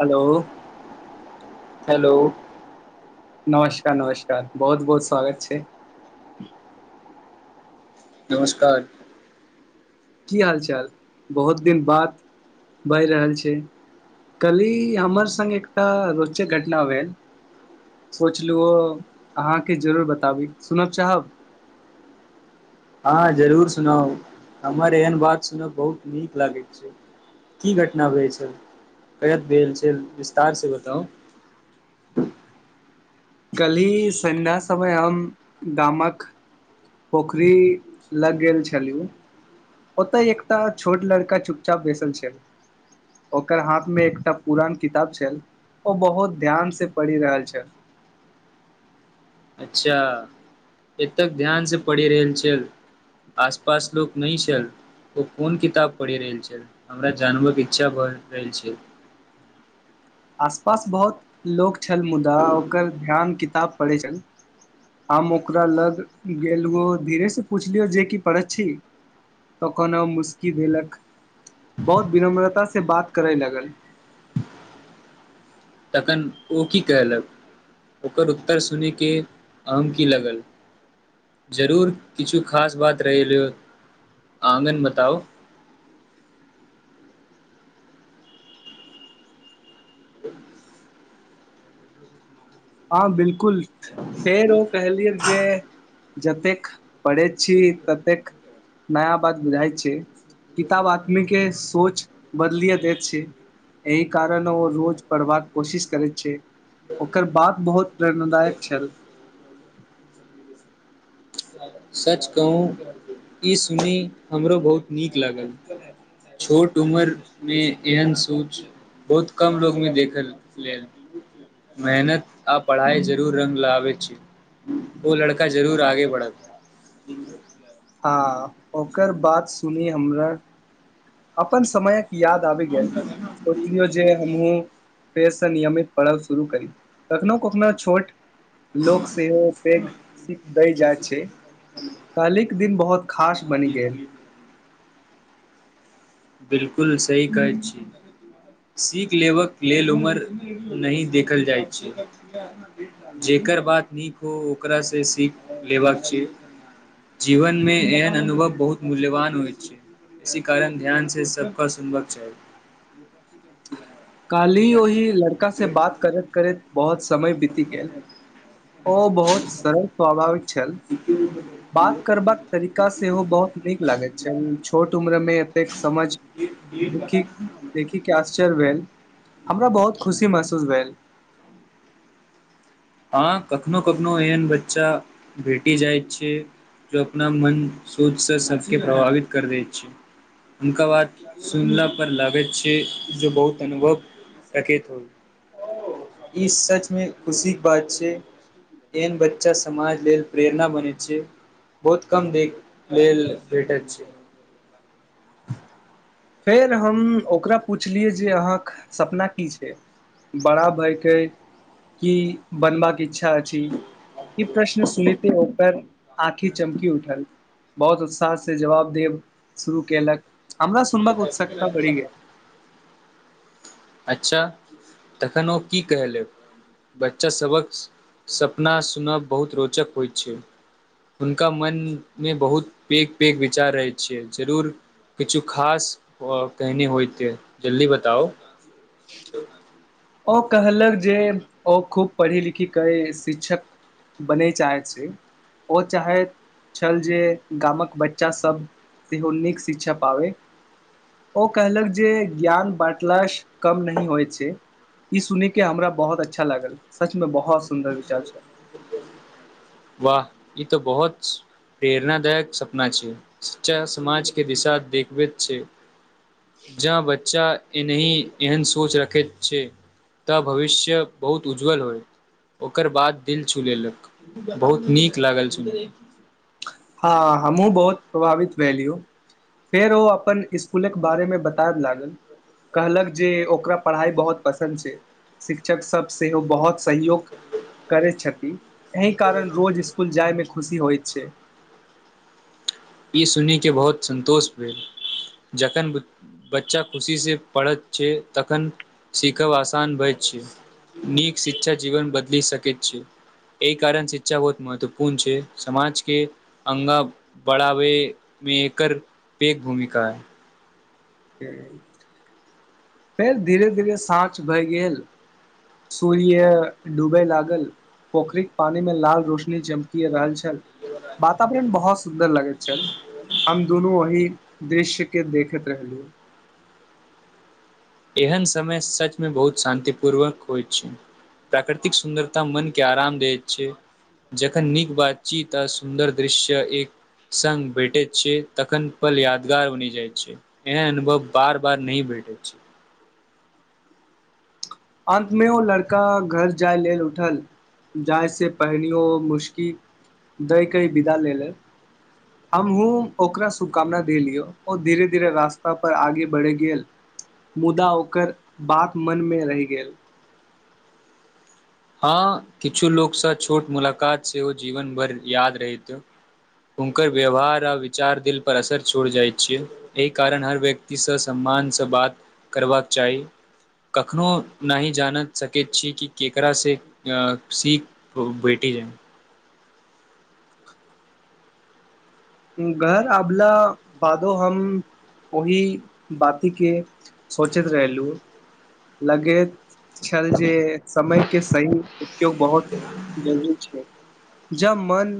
हलो hello नमस्कार नमस्कार बहुत बहुत स्वागत छैक नमस्कार की हालचाल बहुत दिन बात बहि रहल छैक कहली हमर सङ्गे एकटा रोचक घटना भेल सोचलहुँ ओ अहाँके जरूर बताबी सुनय चाहब। हँ जरूर सुनाउ हमर एहन बात सुनब बहुत नीक लागैत छैट की घटना भेल छल कब भेल छल विस्तारसँ बताउ कलही संध्या समय हम गामक पोखरी लग गेल छलि ओतय एकटा छोट लड़का चुपचाप बैसल छल ओकर हाथमे एकटा पुरान किताब छल ओ बहुत ध्यान से पढ़ि रहल छल अच्छा एतक ध्यान से पढ़ि रहल छल आस पास लोक नहि छल ओ कोन किताब पढ़ि रहल छल हमरा जानयकेँ इच्छा भऽ रहल छैक आसपास बहुत लोक छल मुदा ओकर ध्यान किताब पर रहै छैन। हम ओकरा लग गेलि ओ धीरेसँ पुछलियै जे की पढैत छी तखन ओ मुस्की देलक बहुत विनम्रतासँ बात करै लागल। तखन ओ की कहलक ओकर उत्तर सुनिकेँ अहाँकेँ की लागल जरूर किछु खास बात रहलै हेतु आंगनमे तऽ आउ। हँ बिलकुल। फेर ओ कहलिअन्हि। जे जतेक पढ़ैत छी ततेक नया बात बुझाइत छै किताब आदमीकेँ सोच बदलि दैत छै एहि कारण ओ रोज पढ़बाक कोशिश करैत छै ओकर बात। बहुत प्रेरणादायक छल। सच कहू ई सुनि हमरो बहुत नीक लागल छोट उमरमे एहन सोंच बहुत कम लोकमे देखल लेल मेहनत आ पढ़ाई जरूर रंग लाबैत छै ओ लड़का जरूर आगे बढ़त। हूँ [inaudible] आ ओकर बात सुनि हमरा अपन समयक। याद आबि गेल कहलिअ जे हमहुँ फेरसँ नियमित पढ़ाइ शुरू करी कखनो-कखनो छोट लोक सेहो पैघ सीख दऽ जाइत छै। दिन बहुत खास बनि गेल। बिलकुल सही कहैत छी सीख लेबाक लेल उमर नहि देखल जाएत छै जेकर बात नीक होय ओकरासँ‌ सीख लेबाक छै जीवनमे एहन अनुभव बहुत मूल्यवान होइत छै इसी कारण ध्यानसँ। सभकेँ सुनबाक चाही। काल्हि ओहि लड़कासँ बात करैत करैत बहुत। समय बीति गेल ओ बहुत सरल स्वाभाविक छल बात करबाक तरीका सेहो बहुत नीक लागैत छल छोट उम्रमे। एतेक समझ देखि देखिकेँ आश्चर्य भेल। छल। [unintelligible] हमरा बहुत खुशी। महसूस भेल। हँ कखनो-कखनो एहन बच्चा भेटि जाइत छै जे अपना मन सोंचसँ सभकेँ प्रभावित कऽ दैत छै हुनकर बात सुनला पर लागैत छै जे बहुत अनुभव रखैत होइ ई सचमे खुशी। बात छै एहन बच्चा समाज लेल प्रेरणा बनैत छै बहुत कम देखैए लेल भेटैत छै। फेर हम ओकरा पुछलियै जे अहाँक सपना की छै बड़ा भऽ केँ की बनबाक इच्छा अछि ई प्रश्न सुनिते ओकर। आंखि चमकि उठल। बहुत उत्साहसँ जवाब देब शुरू कएलक हमरा। सुनबाक उत्सुकता बढ़ि गेल। अच्छा तखन ओ की कहलक बच्चा सभक सपना सुनब बहुत रोचक होइत छै हुनका मनमे बहुत पैघ पैघ विचार रहैत छै जरूर किछु खास कहने होइत जल्दी बताउ। त [inaudible] ओ कहलक जे ओ खूब पढ़ि-लिखिकेँ शिक्षक बनय चाहैत छै ओ चाहैत छल जे गामक बच्चासभ सेहो नीक शिक्षा पाबैय ओ कहलक जे ज्ञान बाँटलासँ कम नहि होइत छै ई सुनिकेँ हमरा बहुत अच्छा लागल सचमे बहुत सुन्दर विचार छै वाह ई तऽ बहुत प्रेरणादायक सपना छै शिक्षा समाजकेँ दिशा देखबैत छै जे बच्चा एनाही एहन सोच रखैत छै तऽ भविष्य बहुत उज्ज्वल होयत ओकर बात दिल छू लेलक। बहुत नीक लागल सुनि। हँ हमहूँ बहुत प्रभावित भेलि यौ फेर ओ अपन इसकुलक बारेमे बताबैय लागल कहलक जे ओकरा पढ़ाइ बहुत पसन्द छै शिक्षकसभ सेहो बहुत सहयोग करैत छथि एहि कारण रोज इसकुल जायमे खुशी होइत छै। ई सुनिकेँ बहुत सन्तोष भेल जखन बच्चा खुशीसँ पढ़ैत छै तखन सीखब आसान भए छै नीक शिक्षा जीवन बदलि सकैत छै एहि कारण शिक्षा बहुत महत्वपूर्ण छै समाजकेँ आगां बढ़ाबैमे एकर पैघ भूमिका छै। फेर फेर धीरे-धीरे सांझ भए गेल सूर्य डूबए लागल पोखरिक पानीमे लाल रोशनी चमकि रहल छल। वातावरण बहुत सुन्दर। सुन्दर लगैत छल। हम दुनू वहि दृश्य केँ देखैत रहलु एहन समय सचमे बहुत शान्ति पूर्वक होइत छैक प्राकृतिक सुन्दरता मनकेँ आराम दैत छैक जखन नीक बात छीतऽ सुन्दर दृश्य एक सङ्ग भेटैत छैक तखन पल यादगार बनि जाइत छैक एहन अनुभव बार बार नहि भेटैत छैक अन्तमे ओ लड़का घर जाय लेल उठल जाय से पहिनियो मुशकी दय कई विदा लेलक हमहु ओकरा शुभकामना देलिय ओ धीरे धीरे रास्ता पर आगे बढ़ि गेल मुदा ओकर बात मनमे रहि गेल हँ किछु लोकसँ छोट मुलाकात सेहो जीवन भरि याद रहैत हुनकर व्यवहार आ विचार दिल पर असर छोड़ जाइत छैक एहि कारण हर व्यक्तिसँ सम्मानसँ बात करबाक चाही कखनो नहि जान सकैत छी कि के ककरा से सीख भेट जाय घर आबला बादो हम ओही बातकेँ सोचैत रहलहुँ लगैत छल जे समयकेँ सही उपयोग बहुत जरूरी छैक जब मन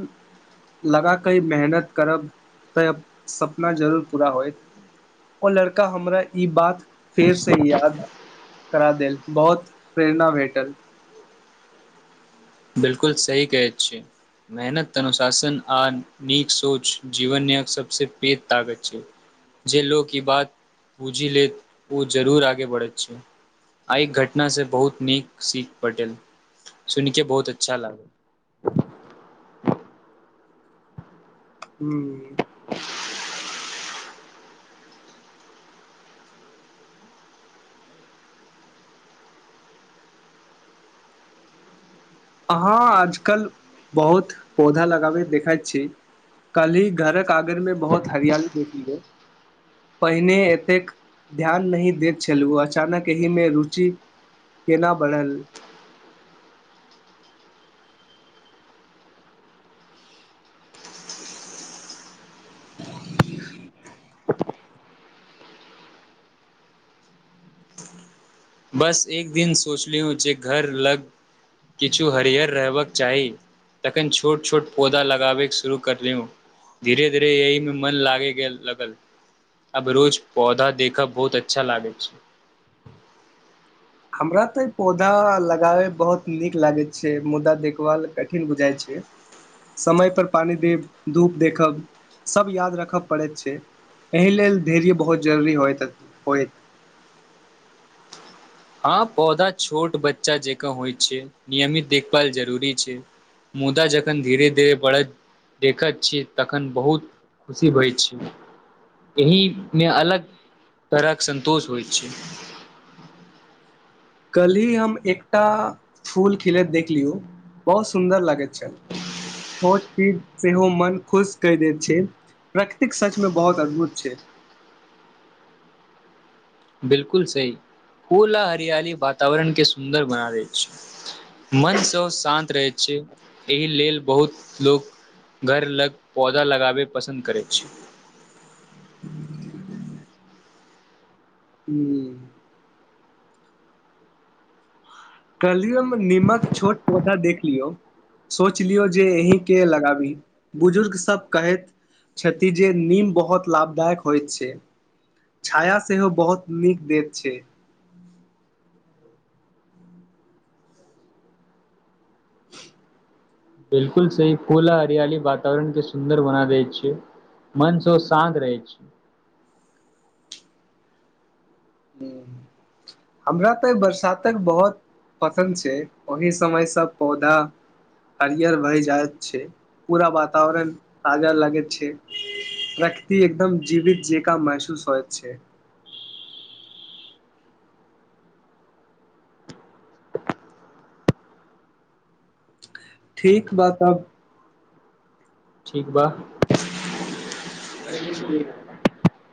लगा क ई मेहनत करब तऽ सपना जरूर पूरा होयत ओ लड़का हमरा ई बात फेरसँ याद करा देल बहुत प्रेरणा भेटल बिलकुल सही कहैत छि मेहनत अनुशासन आ नीक सोच जीवनक सबसंँ पैघ ताकत छैक जे लोक ई बात बूझि लेत ओ जरूर आगे बढ़ैत छैक आइ घटना से बहुत नीक सीख भेटल सुन कें बहुत अच्छा लागल हू [inaudible] [inaudible] अहाँ आजकल बहुत पौधा लगाबैत देखैत छी कलहि घरक आंगन मे बहुत हरियाली देखलियौ पहिने एतेक ध्यान नहि दैत छलहुँ अचानक एहि मे रुचि केना बढ़ल बस एक दिन सोचली जे घर लग किछु हरियर रहबाक चाही तखन छोट छोट पौधा लगाबय कें शुरू करलिय धीरे धीरे एहिमे मन लागि गेल आब रोज पौधा देखब बहुत अच्छा लागैत छैक हमरा तऽ पौधा लगाबैमे बहुत नीक लागैत छैक मुदा देखभाल कठिन बुझाइत छैक समय पर पानी देब धूप देखब सब याद राखय पड़ैत छैक एहि लेल धैर्य बहुत जरुरी होइत छैक हँ पौधा छोट बच्चा जकाँ होइत छैक नियमित देखभाल जरूरी छैक मुदा जखन धीरे धीरे बढ़ैत देखैत छियैक तखन बहुत खुशी होइत छैट एहिमे अलग तरहक सन्तोष होइत छैक कलही हम एकटा फूल खिलैत देखलियौ बहुत सुन्दर लागैत छल छोट चीज सेहो मन खुश कहि दैत छै प्रकृतिक सचमे बहुत अद्भुत छै बिलकुल सही फूला आ हरियाली वातावरण केँ सुन्दर बना दैत छैक मनसँ शान्त रहैत छैक एहि लेल बहुत लोको घर लग पौधा लगाबय पसन्द करैत छैक। हू [inaudible] कलियम नीमक छोट पौधा देख लियौ सोच लियौ जे एहि केँ लगाबी बुजुर्ग सब कहैत छथि जे नीम बहुत लाभदायक होइत छैक छाया सेहो बहुत नीक देैत छैक बिलकुल सही फूल आ हरियाली वातावरण केँ सुन्दर बना दैत छैक मन केँ शान्त बना दैत छैक हमरा तऽ बरसात बहुत पसन्द छैक ओहि समयसँ पौधा हरियर बनि जाइत छैक पूरा वातावरण ताजा लगैत छैट प्रकृति एकदम जीवित जकाँ महसूस होइत छैक ठीक बात अब ठीक बा [unintelligible]